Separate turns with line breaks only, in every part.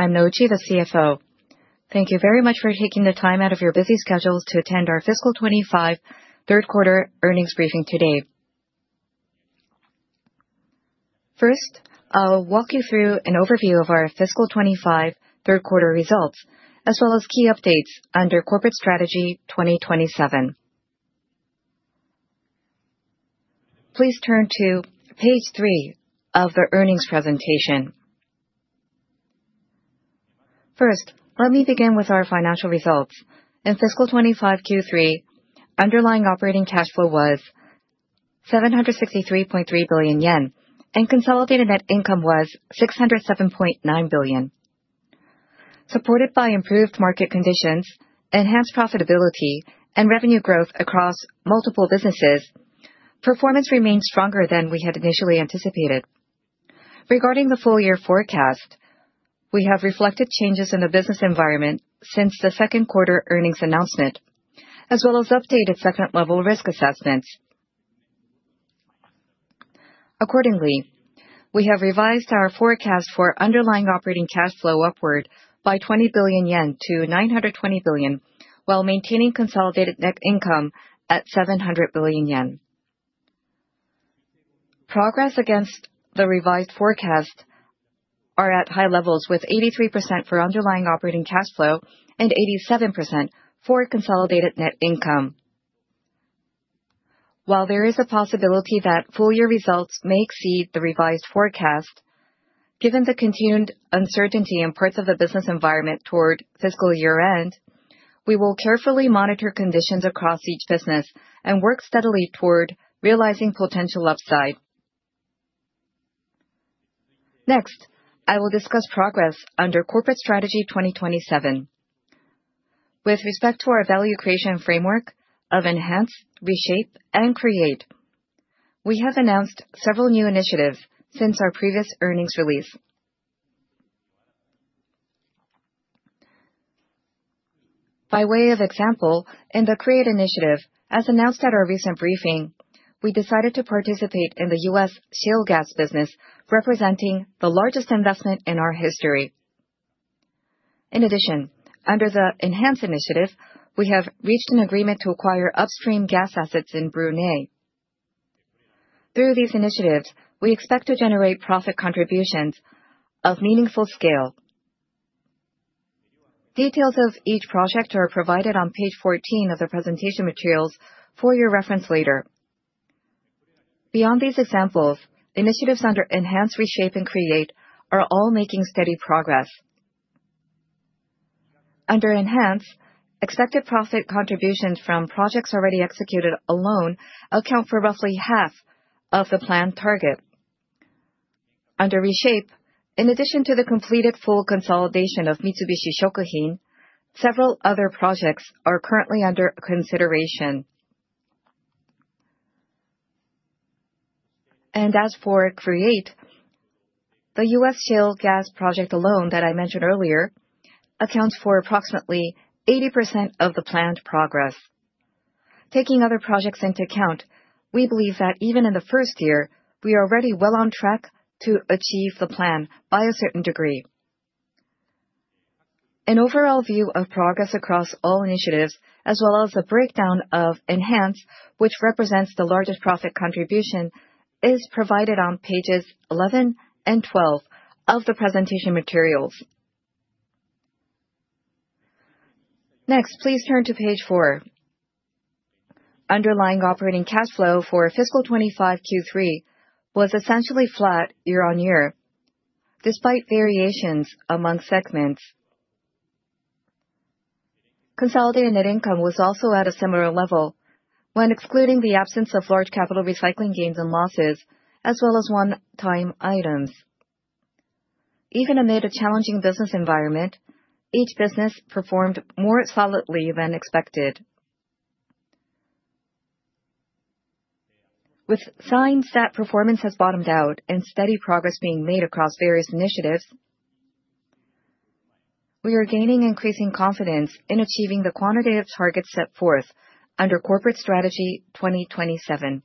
I'm Nouchi, the CFO. Thank you very much for taking the time out of your busy schedule to attend our Fiscal 2025 Third Quarter Earnings Briefing today. First, I'll walk you through an overview of our fiscal 2025 third quarter results, as well as key updates under Corporate Strategy 2027. Please turn to page 3 of the earnings presentation. First, let me begin with our financial results. In fiscal 2025 Q3, underlying operating cash flow was 763.3 billion yen, and consolidated net income was 607.9 billion. Supported by improved market conditions, enhanced profitability, and revenue growth across multiple businesses, performance remains stronger than we had initially anticipated. Regarding the full year forecast, we have reflected changes in the business environment since the second quarter earnings announcement, as well as updated second-level risk assessments. Accordingly, we have revised our forecast for underlying operating cash flow upward by 20 billion-920 billion yen, while maintaining consolidated net income at 700 billion yen. Progress against the revised forecast are at high levels with 83% for underlying operating cash flow and 87% for consolidated net income. While there is a possibility that full year results may exceed the revised forecast, given the continued uncertainty in parts of the business environment toward fiscal year-end, we will carefully monitor conditions across each business and work steadily toward realizing potential upside. Next, I will discuss progress under Corporate Strategy 2027. With respect to our value creation framework of Enhance, Reshape, and Create, we have announced several new initiatives since our previous earnings release. By way of example, in the Create initiative, as announced at our recent briefing, we decided to participate in the U.S. shale gas business, representing the largest investment in our history. In addition, under the Enhance initiative, we have reached an agreement to acquire upstream gas assets in Brunei. Through these initiatives, we expect to generate profit contributions of meaningful scale. Details of each project are provided on page 14 of the presentation materials for your reference later. Beyond these examples, initiatives under Enhance, Reshape, and Create are all making steady progress. Under Enhance, expected profit contributions from projects already executed alone account for roughly half of the planned target. Under Reshape, in addition to the completed full consolidation of Mitsubishi Shokuhin, several other projects are currently under consideration. As for Create, the U.S. shale gas project alone that I mentioned earlier accounts for approximately 80% of the planned progress. Taking other projects into account, we believe that even in the first year, we are already well on track to achieve the plan by a certain degree. An overall view of progress across all initiatives as well as the breakdown of Enhance, which represents the largest profit contribution, is provided on pages 11 and 12 of the presentation materials. Next, please turn to page 4. Underlying operating cash flow for fiscal 2025 Q3 was essentially flat year-on-year, despite variations among segments. Consolidated net income was also at a similar level when excluding the absence of large capital recycling gains and losses, as well as one-time items. Even amid a challenging business environment, each business performed more solidly than expected. With signs that performance has bottomed out and steady progress being made across various initiatives, we are gaining increasing confidence in achieving the quantitative targets set forth under Corporate Strategy 2027.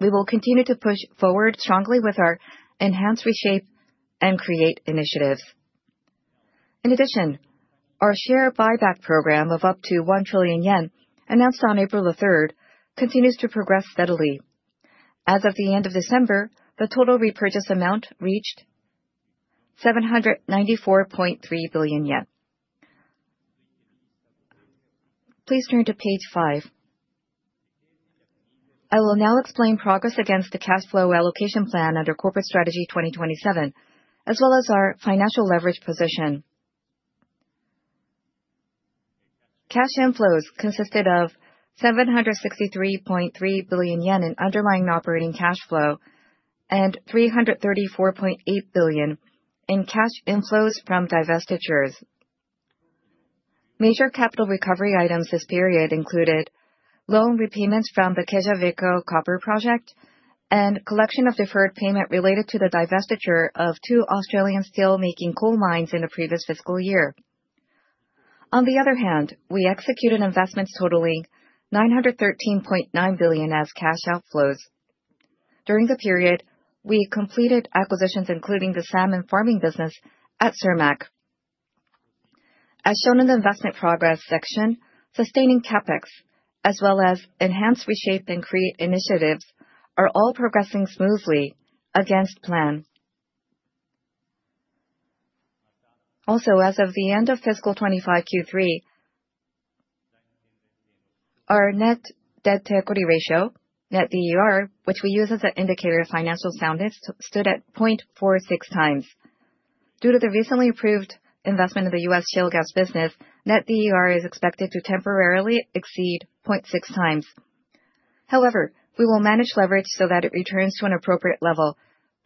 We will continue to push forward strongly with our Enhance, Reshape, and Create initiatives. Our share buyback program of up to 1 trillion yen announced on April 3rd continues to progress steadily. As of the end of December, the total repurchase amount reached JPY 794.3 billion. Please turn to page 5. I will now explain progress against the cash flow allocation plan under Corporate Strategy 2027, as well as our financial leverage position. Cash inflows consisted of 763.3 billion yen in underlying operating cash flow and 334.8 billion in cash inflows from divestitures. Major capital recovery items this period included loan repayments from the Quellaveco Copper Project and collection of deferred payment related to the divestiture of two Australian steelmaking coal mines in the previous fiscal year. On the other hand, we executed investments totaling 913.9 billion as cash outflows. During the period, we completed acquisitions, including the salmon farming business at Cermaq. As shown in the investment progress section, sustaining CapEx as well as Enhance, Reshape and Create initiatives are all progressing smoothly against plan. Also, as of the end of fiscal 2025 Q3, our net debt-to-equity ratio, net DER, which we use as an indicator of financial soundness, stood at 0.46x. Due to the recently approved investment of the U.S. shale gas business, net DER is expected to temporarily exceed 0.6x. However, we will manage leverage so that it returns to an appropriate level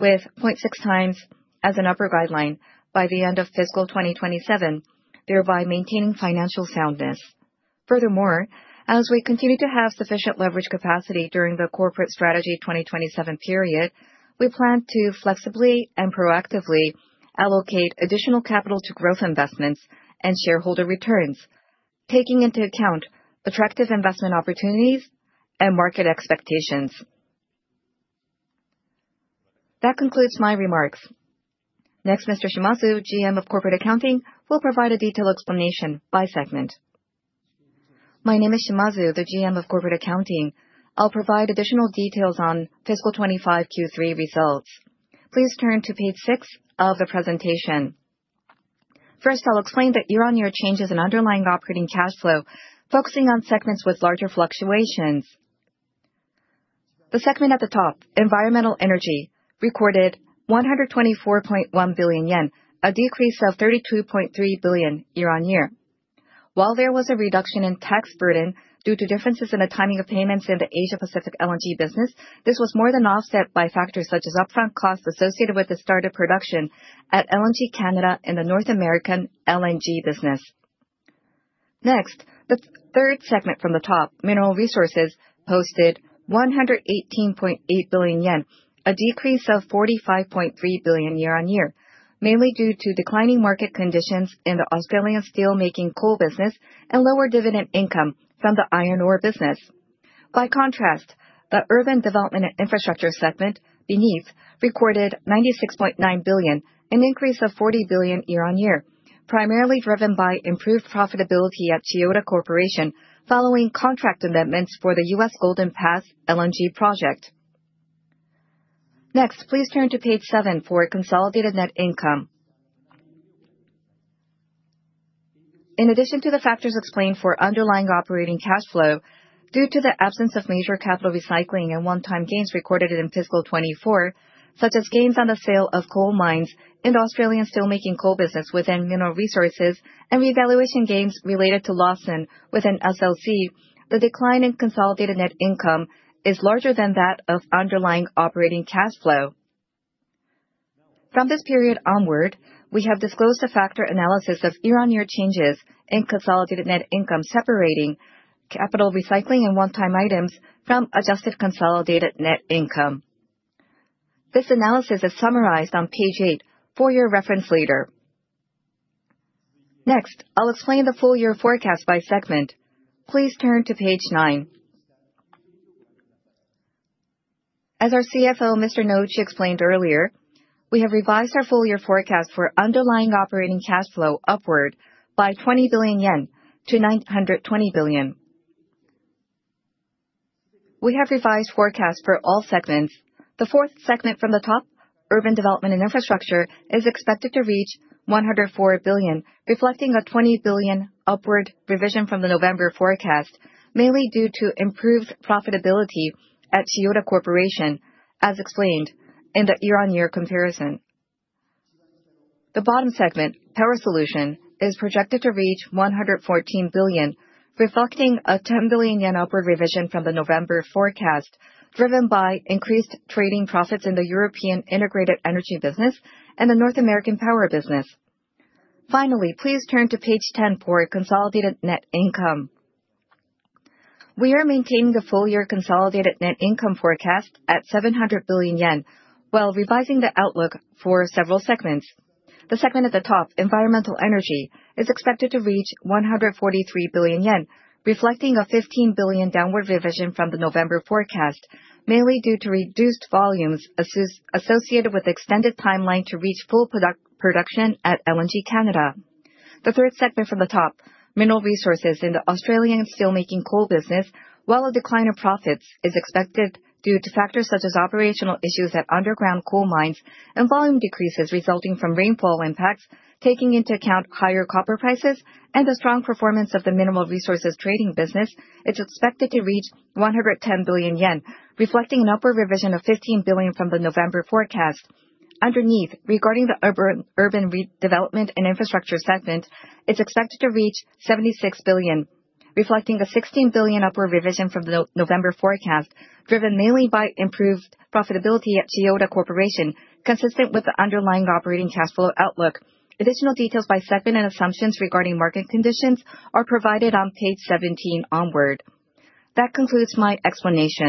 with 0.6x as an upper guideline by the end of FY 2027, thereby maintaining financial soundness. As we continue to have sufficient leverage capacity during the Corporate Strategy 2027 period, we plan to flexibly and proactively allocate additional capital to growth investments and shareholder returns, taking into account attractive investment opportunities and market expectations. That concludes my remarks. Next, Mr. Shimazu, GM of Corporate Accounting, will provide a detailed explanation by segment.
My name is Shimazu, the GM of Corporate Accounting. I'll provide additional details on FY 2025 Q3 results. Please turn to page 6 of the presentation. First, I'll explain the year-on-year changes in underlying operating cash flow, focusing on segments with larger fluctuations. The segment at the top, Environmental Energy, recorded 124.1 billion yen, a decrease of 32.3 billion year-on-year. While there was a reduction in tax burden due to differences in the timing of payments in the Asia-Pacific LNG business, this was more than offset by factors such as upfront costs associated with the start of production at LNG Canada and the North American LNG business. Next, the third segment from the top, Mineral Resources, posted 118.8 billion yen, a decrease of 45.3 billion year-on-year, mainly due to declining market conditions in the Australian steelmaking coal business and lower dividend income from the iron ore business. By contrast, the Urban Development and Infrastructure Group beneath recorded 96.9 billion, an increase of 40 billion year-on-year, primarily driven by improved profitability at Chiyoda Corporation following contract amendments for the U.S. Golden Pass LNG project. Please turn to page 7 for consolidated net income. In addition to the factors explained for underlying operating cash flow, due to the absence of major capital recycling and one-time gains recorded in fiscal 2024, such as gains on the sale of coal mines in the Australian steelmaking coal business within Mineral Resources Group and revaluation gains related to Lawson within SLC, the decline in consolidated net income is larger than that of underlying operating cash flow. From this period onward, we have disclosed a factor analysis of year-on-year changes in consolidated net income, separating capital recycling and one-time items from adjusted consolidated net income. This analysis is summarized on page 8 for your reference later. I'll explain the full-year forecast by segment. Please turn to page 9. As our CFO, Mr. Nouchi, explained earlier, we have revised our full-year forecast for underlying operating cash flow upward by 20 billion-920 billion yen. We have revised forecast for all segments. The fourth segment from the top, Urban Development and Infrastructure, is expected to reach 104 billion, reflecting a 20 billion upward revision from the November forecast, mainly due to improved profitability at Chiyoda Corporation, as explained in the year-on-year comparison. The bottom segment, Power Solution, is projected to reach 114 billion, reflecting a 10 billion yen upward revision from the November forecast, driven by increased trading profits in the European integrated energy business and the North American power business. Finally, please turn to page 10 for consolidated net income. We are maintaining the full-year consolidated net income forecast at 700 billion yen while revising the outlook for several segments. The segment at the top, Environmental Energy, is expected to reach 143 billion yen, reflecting a 15 billion downward revision from the November forecast, mainly due to reduced volumes associated with extended timeline to reach full production at LNG Canada. The third segment from the top, Mineral Resources, in the Australian steelmaking coal business, while a decline of profits is expected due to factors such as operational issues at underground coal mines and volume decreases resulting from rainfall impacts, taking into account higher copper prices and the strong performance of the Mineral Resources trading business, it's expected to reach 110 billion yen, reflecting an upward revision of 15 billion from the November forecast. Underneath, regarding the Urban Development and Infrastructure Group segment, it's expected to reach 76 billion, reflecting a 16 billion upward revision from the November forecast, driven mainly by improved profitability at Chiyoda Corporation, consistent with the underlying operating cash flow outlook. Additional details by segment and assumptions regarding market conditions are provided on page 17 onward. That concludes my explanation.